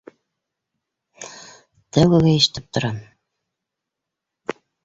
Тәүгегә ишетеп торам.